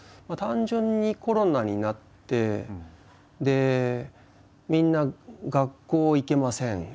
単純にコロナになってでみんな学校行けません